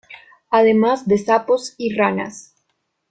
Además de sapos y ranas.